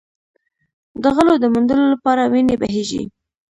د غلو د موندلو لپاره وینې بهېږي.